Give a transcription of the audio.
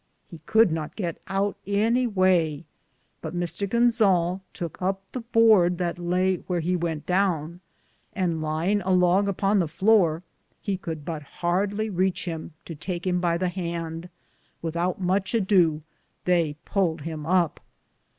He could not git out any way, but Mr. Gonzale Touke up the borde that laye wheare he wente downe, and lyinge a longe upon the floure, he could but hardly reatche him, to take him by the hande ; without muche adew theye puled him up.